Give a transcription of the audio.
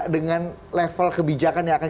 dengan level kebijakan yang akan